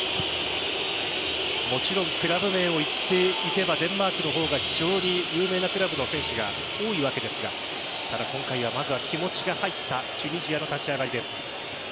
もちろんクラブ名を言っていけばデンマークの方が非常に有名なクラブの選手が多いわけですが今回は気持ちが入ったチュニジアの立ち上がりです。